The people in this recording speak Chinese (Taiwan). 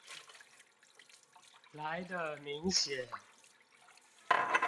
來的明顯